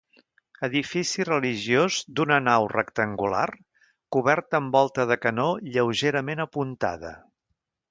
Edifici religiós d'una nau rectangular, coberta amb volta de canó lleugerament apuntada.